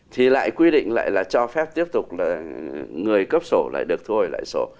thì lại quy định lại là cho phép tiếp tục là người cấp sổ lại được thu hồi lại sổ